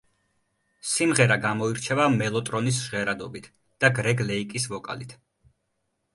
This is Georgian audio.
სიმღერა გამოირჩევა მელოტრონის ჟღერადობით და გრეგ ლეიკის ვოკალით.